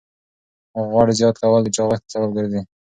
غوړ زیات کول د چاغښت سبب ګرځي.